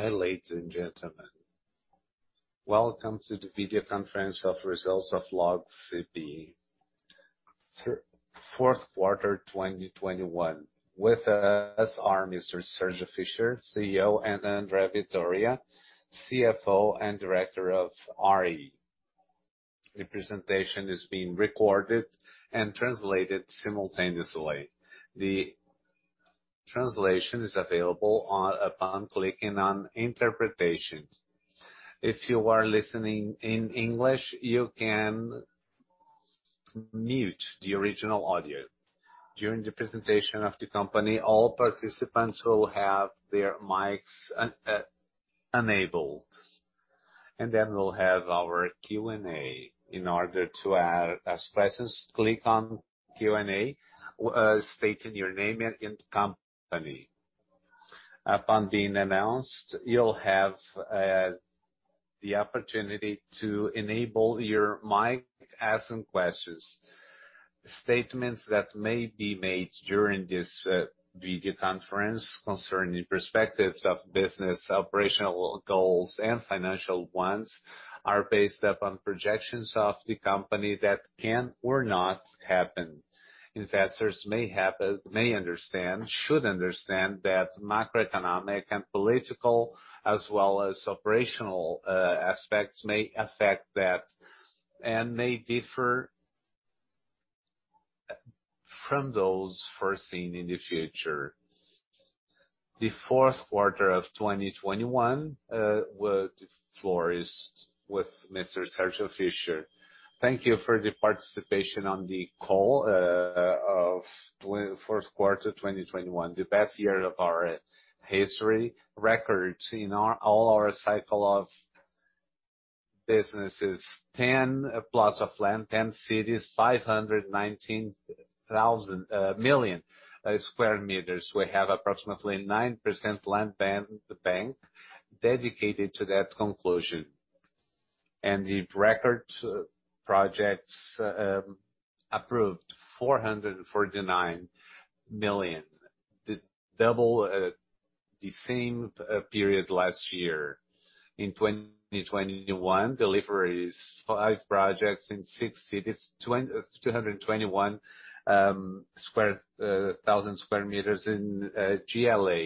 Hi, ladies and gentlemen. Welcome to the video conference of results of LOG CP fourth quarter 2021. With us are Mr. Sérgio Fischer, CEO, and André Vitória, CFO and Director of IR. The presentation is being recorded and translated simultaneously. The translation is available upon clicking on Interpretation. If you are listening in English, you can mute the original audio. During the presentation of the company, all participants will have their mics enabled. We'll have our Q&A. In order to ask questions, click on Q&A, stating your name and company. Upon being announced, you'll have the opportunity to enable your mic, ask some questions. Statements that may be made during this video conference concerning the perspectives of business, operational goals and financial ones are based upon projections of the company that can or not happen. Investors should understand that macroeconomic and political as well as operational aspects may affect that and may differ from those foreseen in the future. The fourth quarter of 2021, the floor is with Mr. Sérgio Fischer. Thank you for your participation on the call of the fourth quarter 2021. The best year of our history, records in all our cycles of business. 10 plots of land, 10 cities, 519,000 sq m. We have approximately 9% land bank dedicated to construction. Record projects approved 449 million. Double the same period last year. In 2021, deliveries five projects in six cities, 221,000 sq m in GLA.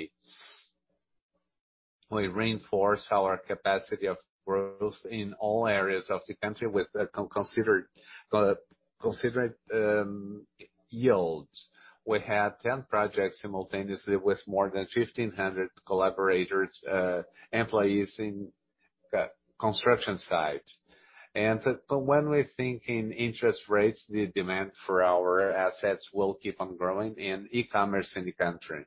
We reinforce our capacity of growth in all areas of the country with considered yields. We had 10 projects simultaneously with more than 1,500 collaborators, employees in construction sites. When we're thinking interest rates, the demand for our assets will keep on growing in e-commerce in the country.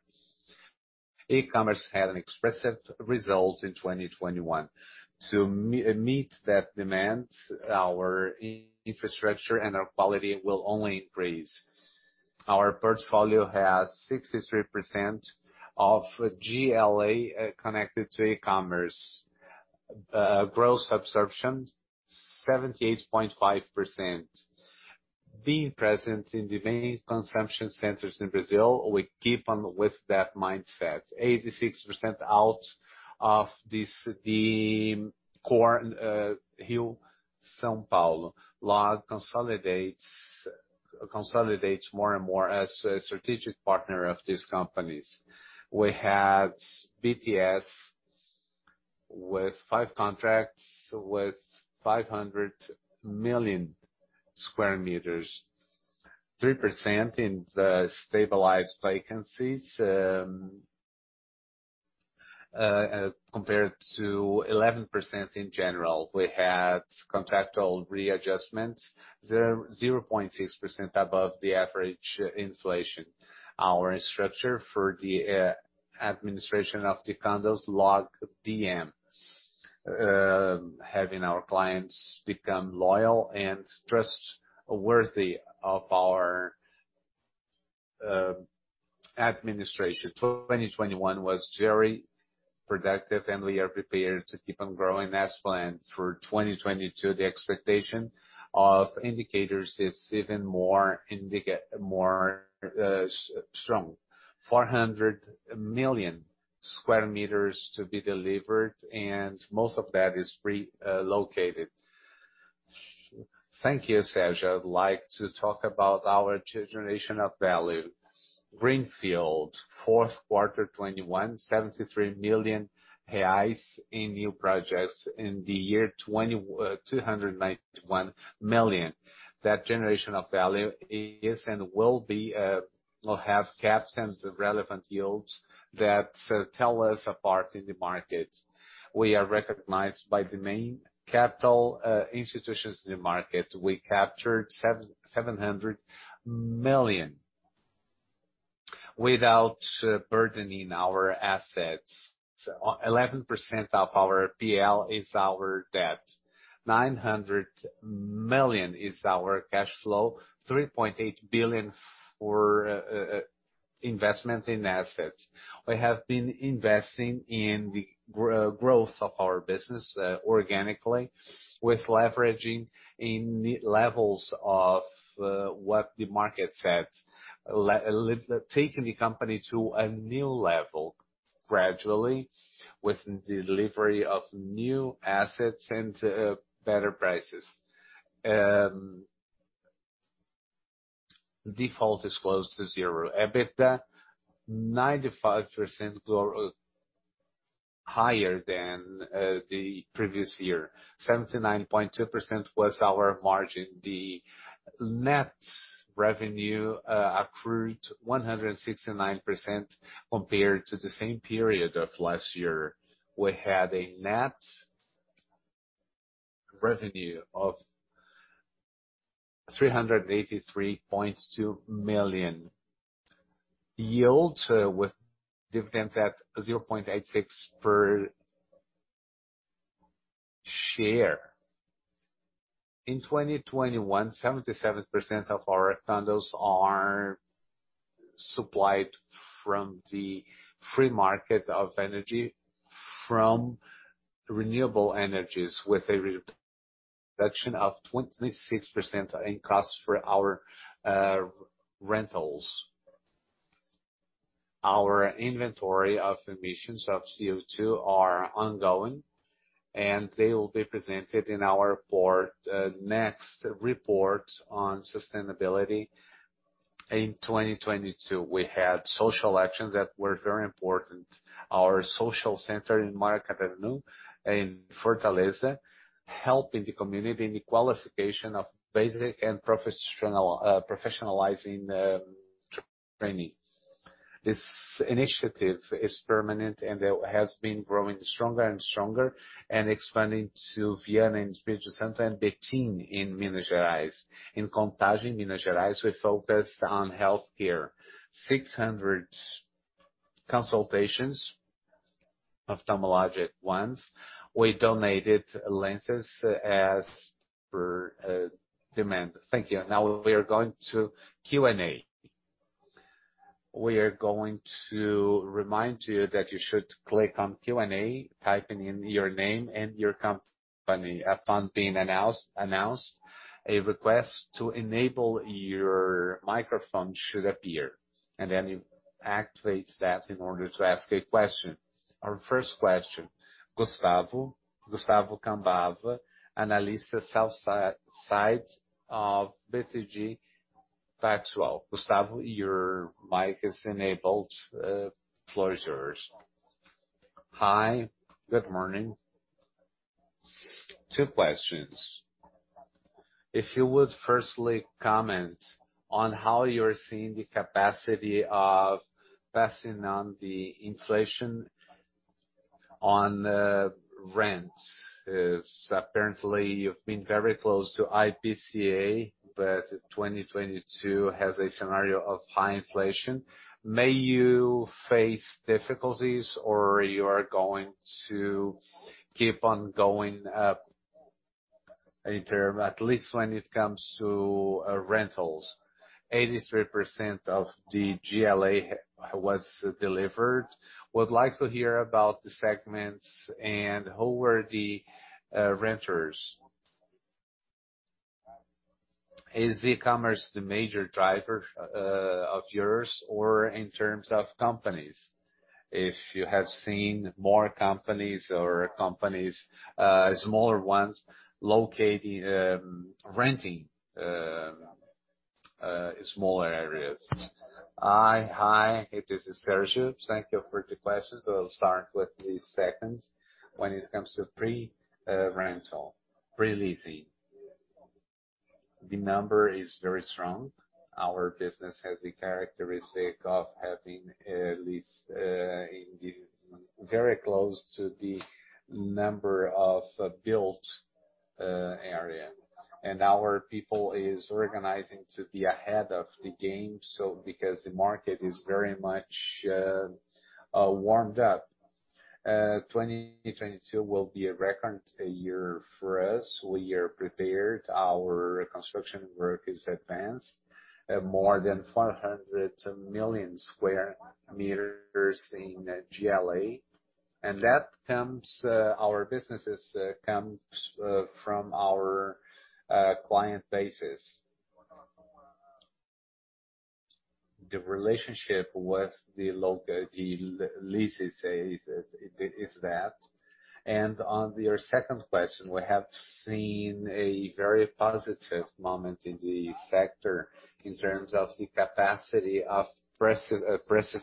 E-commerce had an expressive result in 2021. To meet that demand, our infrastructure and our quality will only increase. Our portfolio has 63% of GLA connected to e-commerce. Gross absorption 78.5%. Being present in the main consumption centers in Brazil, we keep on with that mindset. 86% out of the core, the hill São Paulo LOG consolidates more and more as a strategic partner of these companies. We had BTS with five contracts, with 500 million sq m. 3% in the stabilized vacancies compared to 11% in general. We had contractual readjustments, 0.6% above the average inflation. Our structure for the administration of the condos, LOG DM. Having our clients become loyal and trustworthy of our administration. 2021 was very productive, and we are prepared to keep on growing as planned through 2022. The expectation of indicators is even more strong. 400 million sq m to be delivered, and most of that is pre-leased. Thank you, Sérgio. I'd like to talk about our generation of value. Greenfield fourth quarter 2021, 73 million reais in new projects. In the year 2021, 291 million. That generation of value is and will have CapEx and relevant yields that tell us apart in the market. We are recognized by the main capital institutions in the market. We captured 700 million without burdening our assets. 11% of our PL is our debt. 900 million is our cash flow, 3.8 billion for investment in assets. We have been investing in the growth of our business organically with leveraging in the levels of what the market sets. Taking the company to a new level gradually, with delivery of new assets and better prices. Default is close to zero. EBITDA 95% growth higher than the previous year. 79.2% was our margin. The net revenue accrued 169% compared to the same period of last year. We had a net revenue of BRL 383.2 million. Yield with dividends at 0.86 per share. In 2021, 77% of our condos are supplied from the free market of energy from renewable energies, with a reduction of 26% in costs for our rentals. Our inventory of emissions of CO2 are ongoing, and they will be presented in our board next report on sustainability in 2022. We had social actions that were very important. Our social center in Maracanaú in Fortaleza, helping the community in the qualification of basic and professionalizing training. This initiative is permanent and has been growing stronger and stronger and expanding to Viana's Beach Center and Betim in Minas Gerais. In Contagem, Minas Gerais, we focused on healthcare. 600 consultations, ophthalmologic ones. We donated lenses as per demand. Thank you. Now we are going to Q&A. We are going to remind you that you should click on Q&A, typing in your name and your company. Upon being announced, a request to enable your microphone should appear, and then you activate that in order to ask a question. Our first question, Gustavo. Gustavo Cambauva, analyst sell-side of BTG Pactual. Gustavo, your mic is enabled, floor is yours. Hi, good morning. Two questions. If you would firstly comment on how you're seeing the capacity of passing on the inflation on rents. Apparently you've been very close to IPCA, but 2022 has a scenario of high inflation. May you face difficulties or you are going to keep on going up in terms, at least when it comes to rentals? 83% of the GLA was delivered. Would like to hear about the segments and who were the renters. Is e-commerce the major driver of yours, or in terms of companies? If you have seen more companies, smaller ones locating, renting smaller areas. Hi. Hi, this is Sérgio. Thank you for the questions. I'll start with the second. When it comes to pre-rental, pre-leasing, the number is very strong. Our business has the characteristic of having at least very close to the number of built area. Our people is organizing to be ahead of the game, so because the market is very much warmed up. 2022 will be a record year for us. We are prepared. Our construction work is advanced. More than 500 million sq m in GLA. That comes from our businesses, from our client bases. The relationship with the leases is that. On your second question, we have seen a very positive moment in the sector in terms of the capacity of price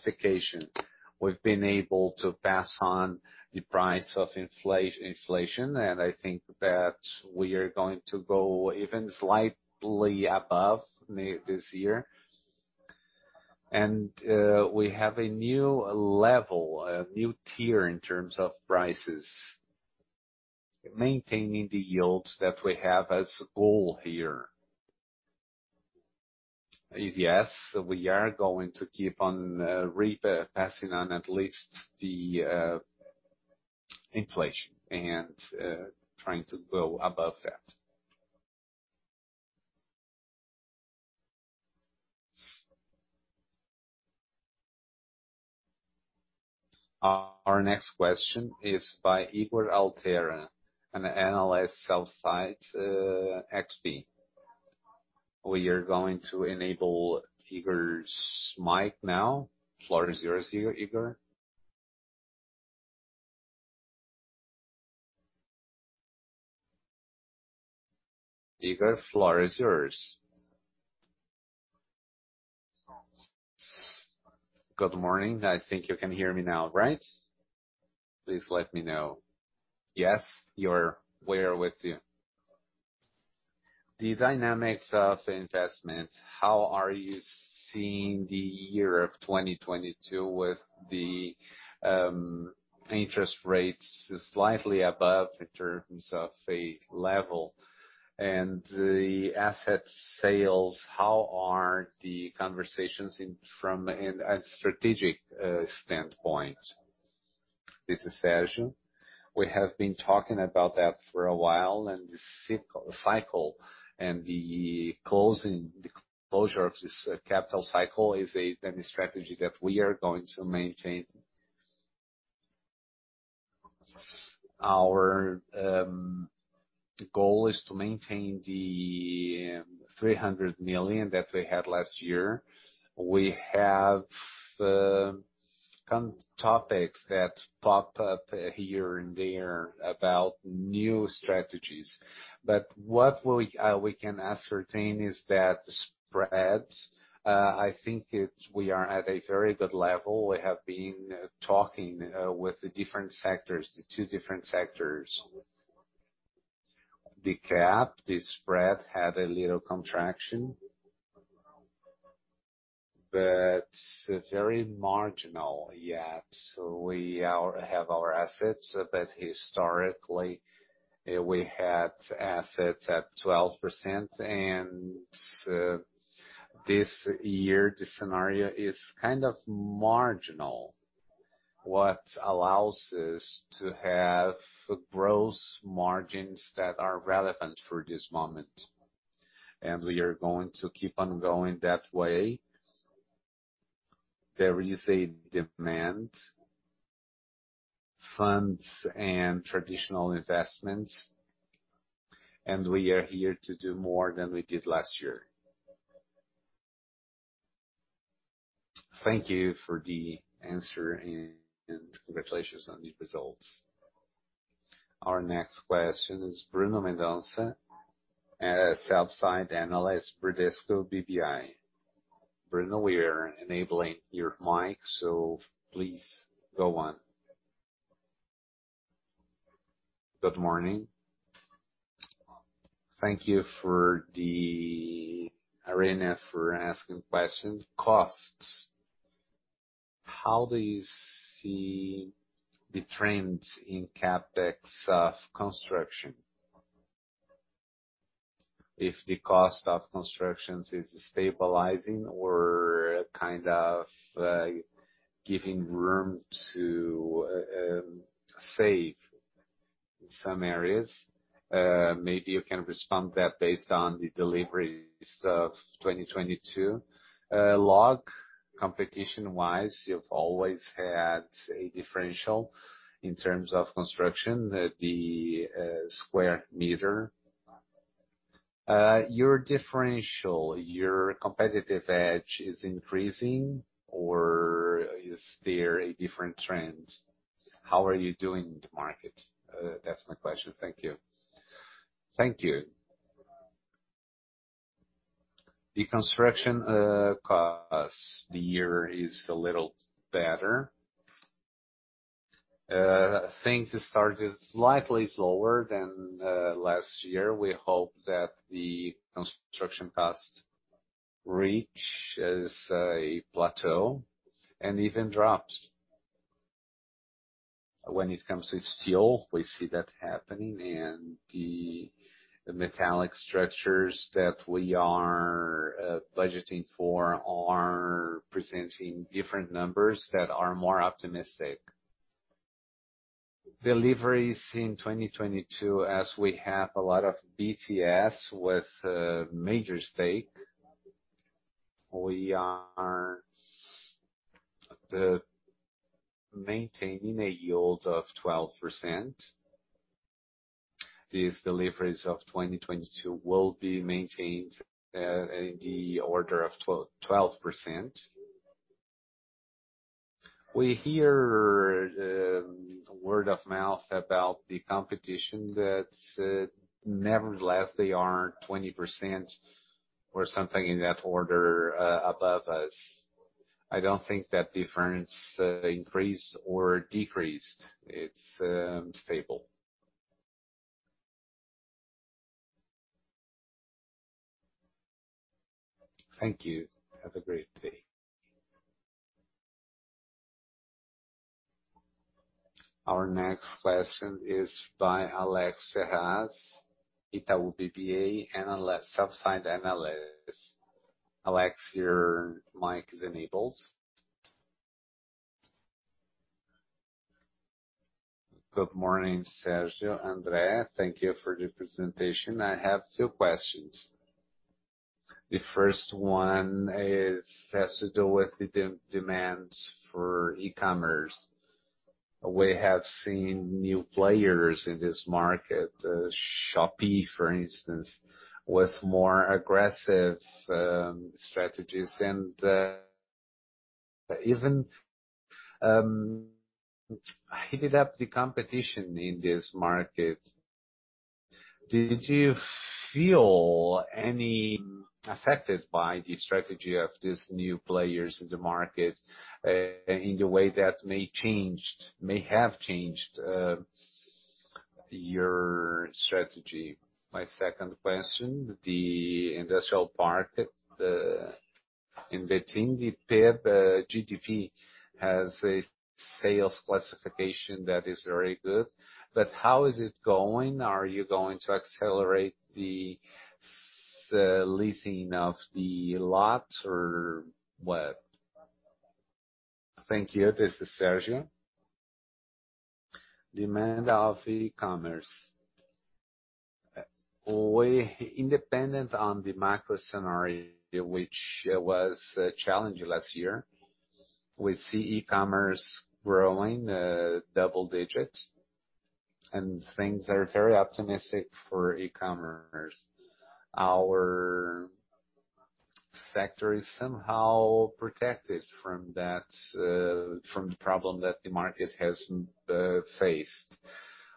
fixation. We've been able to pass on inflation, and I think that we are going to go even slightly above inflation this year. We have a new level, a new tier in terms of prices, maintaining the yields that we have as a goal here. Yes, we are going to keep on passing on at least the inflation and trying to go above that. Our next question is by Ygor Altero, a sell-side analyst, XP. We are going to enable Ygor's mic now. Floor is yours, Ygor. Ygor, floor is yours. Good morning. I think you can hear me now, right? Please let me know. Yes, we are with you. The dynamics of investment, how are you seeing the year of 2022 with the interest rates slightly above in terms of a level and the asset sales, how are the conversations from a strategic standpoint? This is Sérgio. We have been talking about that for a while, and this cycle and the closing, the closure of this capital cycle is the strategy that we are going to maintain. Our goal is to maintain the 300 million that we had last year. We have topics that pop up here and there about new strategies. But what we can ascertain is that spreads, I think we are at a very good level. We have been talking with the different sectors, the two different sectors. The cap, the spread had a little contraction. Very marginal, yeah. We have our assets, but historically, we had assets at 12%. This year, the scenario is kind of marginal, what allows us to have gross margins that are relevant for this moment. We are going to keep on going that way. There is a demand, funds and traditional investments, and we are here to do more than we did last year. Thank you for the answer and congratulations on the results. Our next question is Bruno Mendonça, sell-side analyst, Bradesco BBI. Bruno, we are enabling your mic, so please go on. Good morning. Thank you for the opportunity to ask questions. Costs, how do you see the trends in CapEx of construction? If the cost of constructions is stabilizing or kind of giving room to save in some areas, maybe you can respond that based on the deliveries of 2022. LOG, competition-wise, you've always had a differential in terms of construction at the square meter. Your differential, your competitive edge is increasing, or is there a different trend? How are you doing in the market? That's my question. Thank you. Thank you. The construction costs, the year is a little better. Things started slightly slower than last year. We hope that the construction costs reaches a plateau and even drops. When it comes to steel, we see that happening and the metallic structures that we are budgeting for are presenting different numbers that are more optimistic. Deliveries in 2022, as we have a lot of BTS with a major stake, we are maintaining a yield of 12%. These deliveries of 2022 will be maintained in the order of 12%. We hear word of mouth about the competition that nevertheless they are 20% or something in that order above us. I don't think that difference increased or decreased. It's stable. Thank you. Have a great day. Our next question is by Alex Ferraz, Itaú BBA, sell-side analyst. Alex, your mic is enabled. Good morning, Sérgio, André. Thank you for the presentation. I have two questions. The first one has to do with the demand for e-commerce. We have seen new players in this market, Shopee, for instance, with more aggressive strategies and even heated up the competition in this market. Did you feel any affected by the strategy of these new players in the market in the way that may have changed your strategy? My second question, the industrial market in Betim, the PEB, GDP has a sales classification that is very good, but how is it going? Are you going to accelerate the leasing of the lot or what? Thank you. This is Sérgio. Demand of e-commerce. Independent on the macro scenario, which was challenging last year, we see e-commerce growing double-digit, and things are very optimistic for e-commerce. Our sector is somehow protected from that, from the problem that the market has faced.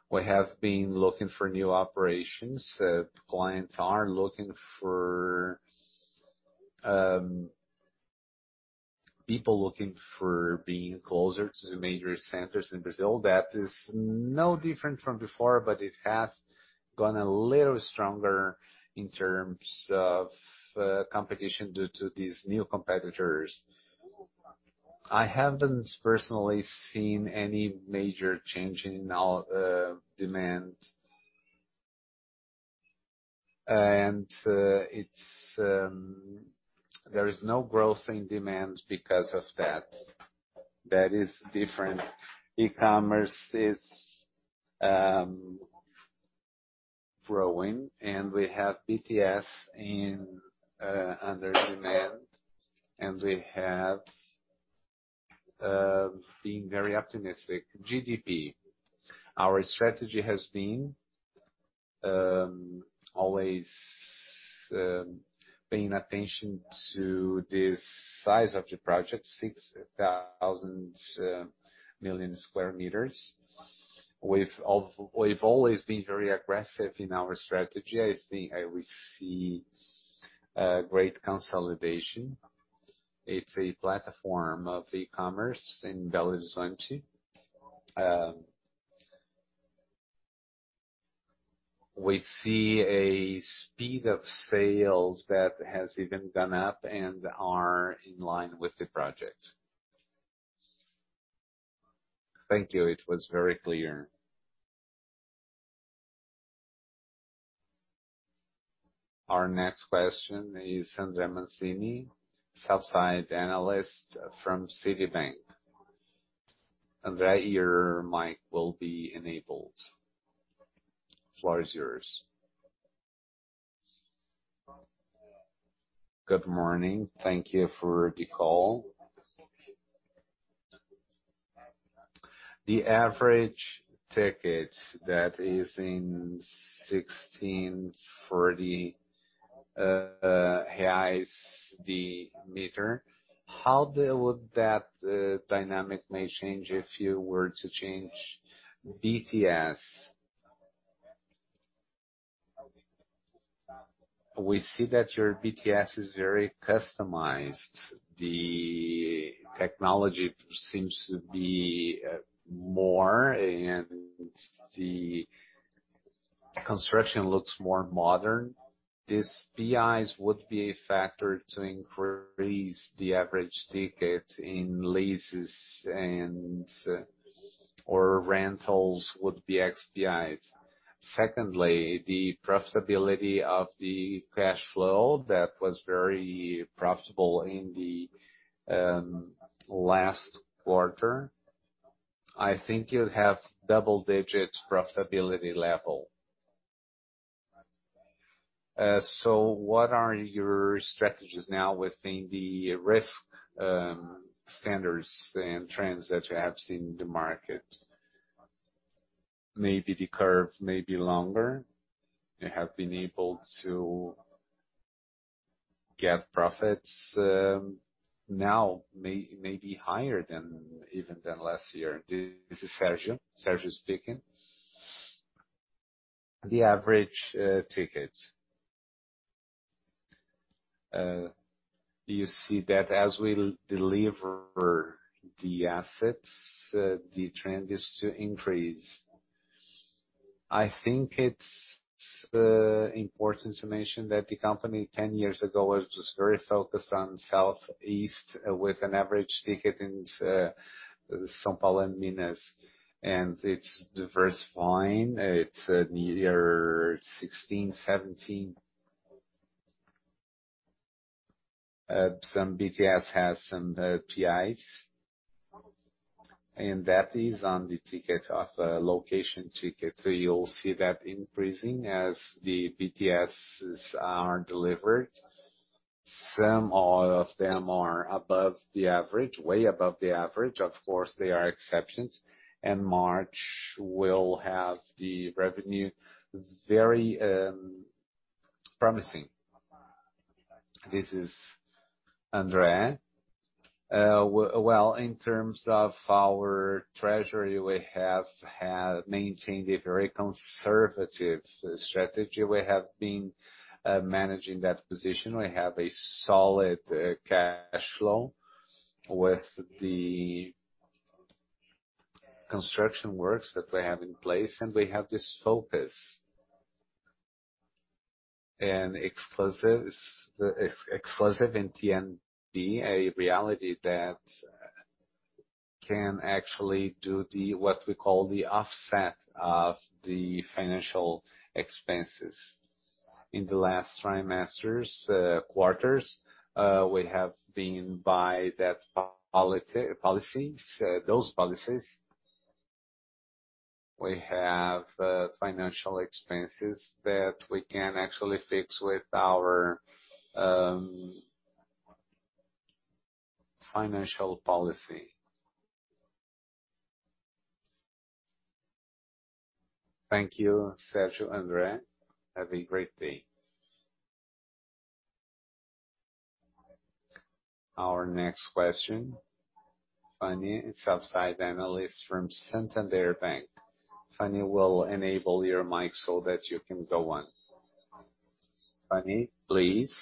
We have been looking for new operations. Clients are looking for people looking for being closer to major centers in Brazil. That is no different from before, but it has gone a little stronger in terms of competition due to these new competitors. I haven't personally seen any major change in our demand. There is no growth in demand because of that. That is different. E-commerce is growing and we have BTS in demand, and we have been very optimistic. GDP. Our strategy has been always paying attention to the size of the project, 6,000 million sq m. We've always been very aggressive in our strategy. I think we see great consolidation. It's a platform of e-commerce in Belo Horizonte. We see a speed of sales that has even gone up and are in line with the project. Thank you. It was very clear. Our next question is André Mazini, sell-side analyst from Citi. André, your mic will be enabled. Floor is yours. Good morning. Thank you for the call. The average ticket that is 16 for the high sq m, how would that dynamic may change if you were to change BTS? We see that your BTS is very customized. The technology seems to be more and the construction looks more modern. These IPs would be a factor to increase the average ticket in leases and or rentals with the IPs. Secondly, the profitability of the cash flow that was very profitable in the last quarter. I think you have double-digit profitability level. So what are your strategies now within the risk standards and trends that you have seen in the market? Maybe the curve may be longer. You have been able to get profits, now may be higher than even than last year. This is Sérgio. Sérgio speaking. The average ticket. You see that as we deliver the assets, the trend is to increase. I think it's important to mention that the company 10 years ago was just very focused on Southeast with an average ticket in São Paulo and Minas, and it's diversifying. It's year 16, 17. Some BTS has some IPs, and that is on the ticket of location ticket. So you'll see that increasing as the BTSs are delivered. Some of them are above the average, way above the average. Of course, they are exceptions. March will have the revenue very promising. This is André. Well, in terms of our treasury, we have had maintained a very conservative strategy. We have been managing that position. We have a solid cash flow with the construction works that we have in place, and we have this focus. Exposure in LTN, a reality that can actually do what we call the offset of the financial expenses. In the last quarters, we have been abiding by that policy, those policies. We have financial expenses that we can actually fix with our financial policy. Thank you, Sérgio, André. Have a great day. Our next question, Fanny, outside analyst from Santander. Fanny, we'll enable your mic so that you can go on. Fanny, please.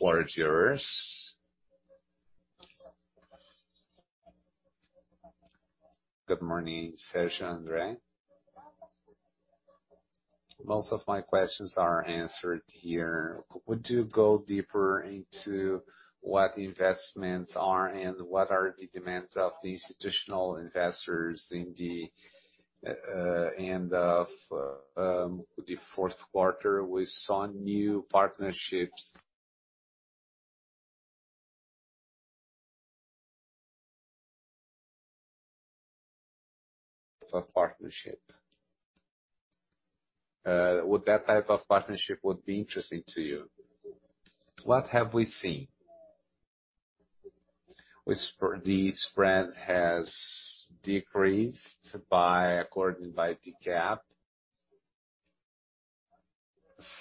Floor is yours. Good morning, Sérgio, André. Most of my questions are answered here. Would you go deeper into what the investments are and what are the demands of these traditional investors in the end of the fourth quarter? We saw new partnerships. Would that type of partnership be interesting to you? What have we seen? The spread has decreased by, according to the cap.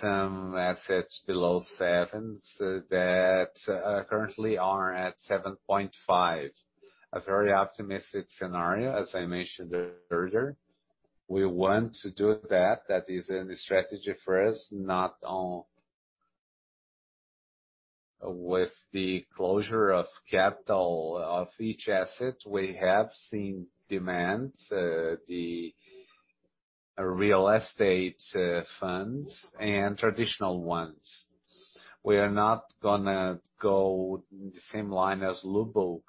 Some assets below seven that currently are at 7.5. A very optimistic scenario, as I mentioned earlier. We want to do that. That is in the strategy for us not only with the closure of capital of each asset. We have seen demand, the real estate funds and traditional ones. We are not gonna go the same line as GLP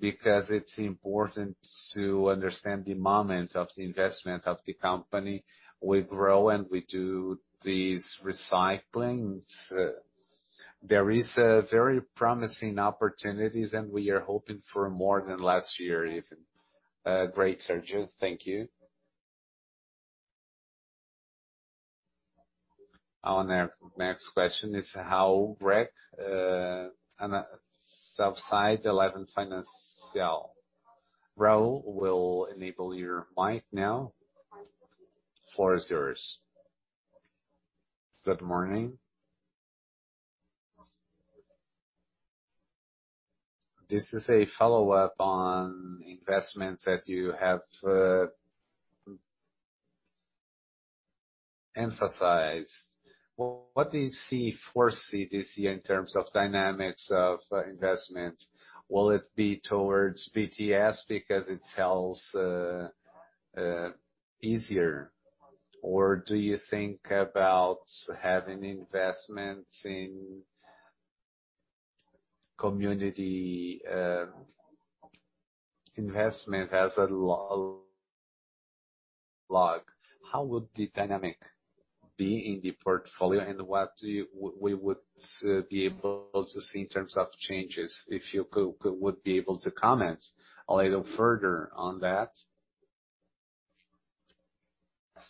because it's important to understand the moment of the investment of the company. We grow and we do these recyclings. There are very promising opportunities, and we are hoping for more than last year, even. Great, Sérgio. Thank you. Our next question is from Raul Breck, sell-side, Eleven Financial. Raul, we'll enable your mic now. Floor is yours. Good morning. This is a follow-up on investments that you have emphasized. What do you foresee this year in terms of dynamics of investments? Will it be towards BTS because it sells easier? Or do you think about having investments in condominium investment as a LOG? How would the dynamic be in the portfolio, and what we would be able to see in terms of changes, if you would be able to comment a little further on that?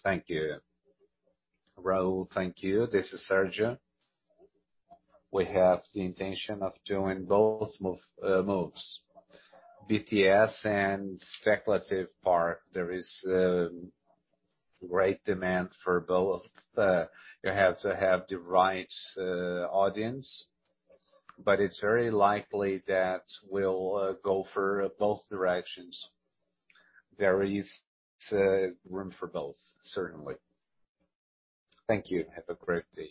Thank you. Raul, thank you. This is Sérgio. We have the intention of doing both moves. BTS and speculative part, there is great demand for both. You have to have the right audience, but it's very likely that we'll go for both directions. There is room for both, certainly. Thank you. Have a great day.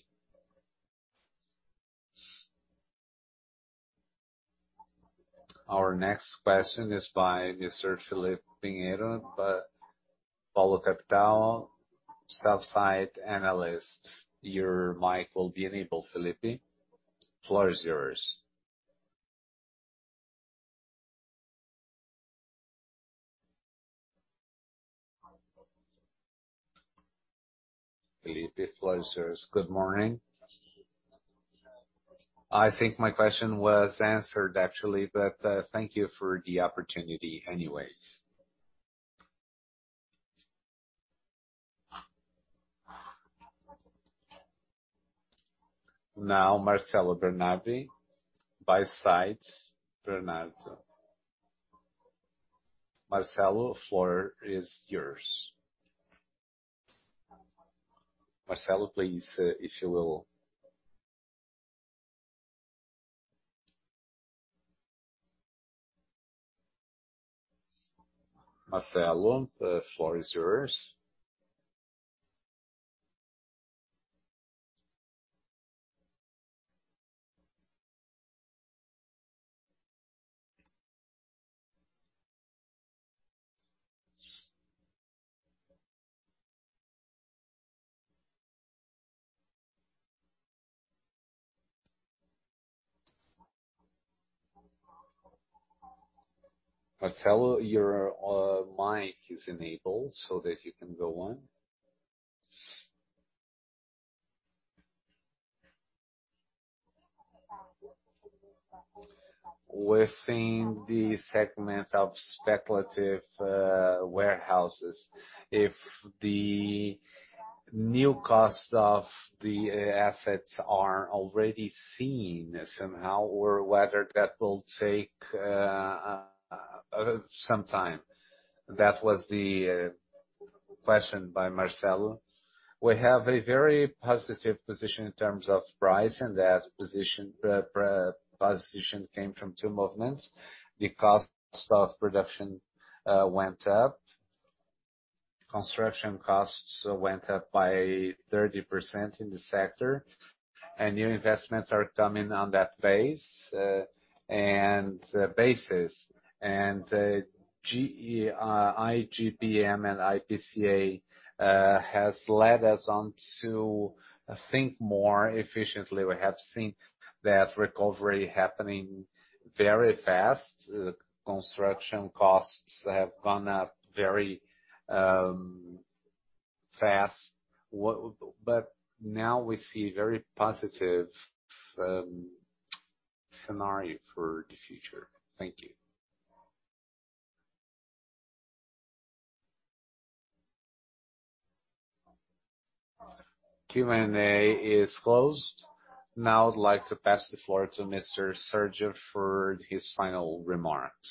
Our next question is by Mr. Felipe Pinheiro, Polo Capital, sell-side analyst. Your mic will be enabled, Felipe. Floor is yours. Felipe Pinheiro, good morning. I think my question was answered actually, but thank you for the opportunity anyways. Now Marcelo Bernardi, sell-side, Safra. Marcelo, floor is yours. Your mic is enabled so that you can go on. Within the segment of speculative warehouses, if the new costs of the assets are already seen somehow, or whether that will take some time. That was the question by Marcelo. We have a very positive position in terms of price, and that position came from two movements. The cost of production went up. Construction costs went up by 30% in the sector, and new investments are coming on that base and basis. The IGPM and IPCA has led us to think more efficiently. We have seen that recovery happening very fast. Construction costs have gone up very fast. Now we see very positive scenario for the future. Thank you. Q&A is closed. Now I'd like to pass the floor to Mr. Sérgio Fischer for his final remarks.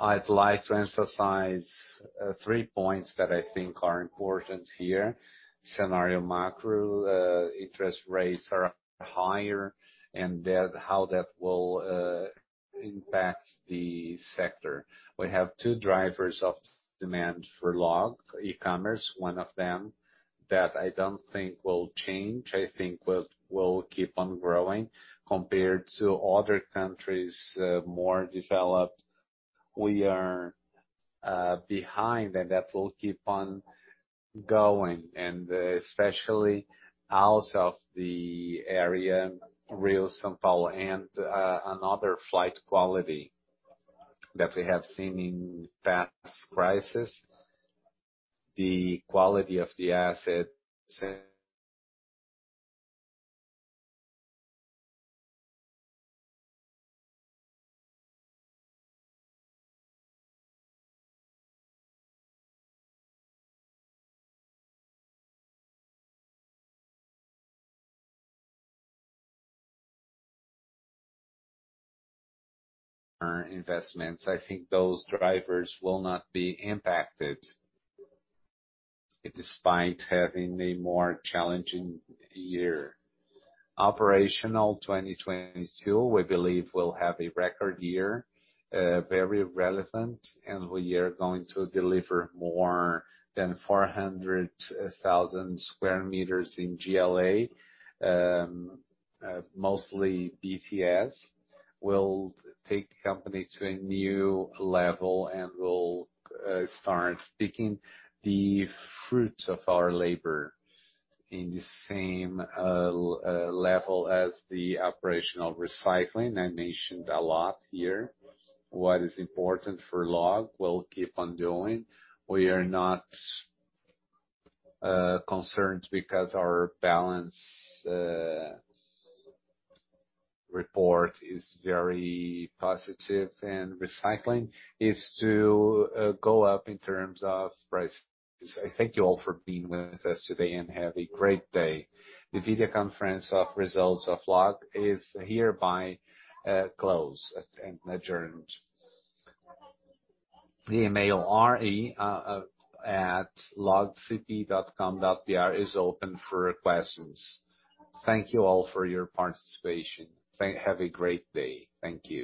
I'd like to emphasize three points that I think are important here. Macro scenario, interest rates are higher, and that how that will impact the sector. We have two drivers of demand for LOG e-commerce. One of them that I don't think will change, I think will keep on growing compared to other countries, more developed. We are behind, and that will keep on going, and especially out of the area, Rio, São Paulo and another flight to quality that we have seen in past crisis. The quality of the assets, investments, I think those drivers will not be impacted despite having a more challenging year. Operational 2022, we believe we'll have a record year, very relevant, and we are going to deliver more than 400,000 sq m in GLA. Mostly BTS will take company to a new level, and we'll start picking the fruits of our labor in the same level as the operational recycling I mentioned a lot here. What is important for Log, we'll keep on doing. We are not concerned because our balance report is very positive, and recycling is to go up in terms of price. I thank you all for being with us today and have a great day. The video conference of results of LOG is hereby closed and adjourned. The email @logcp.com.br is open for questions. Thank you all for your participation. Have a great day. Thank you.